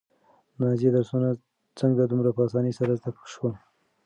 د نازيې درسونه څنګه دومره په اسانۍ سره زده شول؟